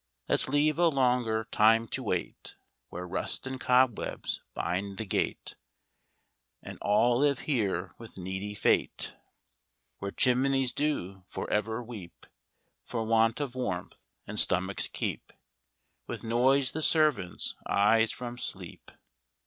Let's leave a longer time to wait, Where rust and cobwebs bind the gate; And all live here with needy fate; Where chimneys do for ever weep For want of warmth, and stomachs keep With noise the servants' eyes from sleep.